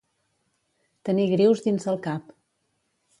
Tenir grius dins el cap.